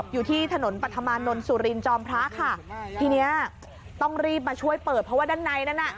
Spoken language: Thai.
อยู่ที่ถนนปัธมานนท์สุรินจอมพระค่ะทีเนี้ยต้องรีบมาช่วยเปิดเพราะว่าด้านในนั้นน่ะ